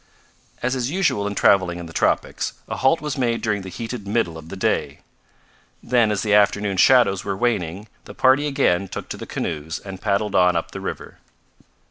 As is usual in traveling in the tropics, a halt was made during the heated middle of the day. Then, as the afternoon shadows were waning, the party again took to the canoes and paddled on up the river.